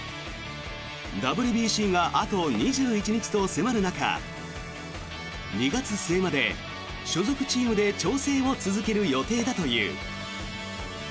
ＷＢＣがあと２１日と迫る中２月末まで所属チームで調整を続ける予定だという。